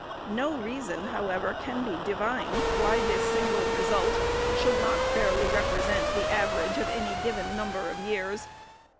No reason, however, can be di 500 THE SECRETARY'S vined, why this single result should not fairly represent the average of any given number of years.